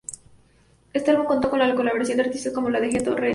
Este álbum contó con la colaboración de artistas como De La Ghetto, Randy.